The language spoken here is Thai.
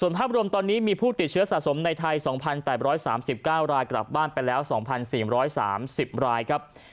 ภาพรวมตอนนี้มีผู้ติดเชื้อสะสมในไทย๒๘๓๙รายกลับบ้านไปแล้ว๒๔๓๐รายครับ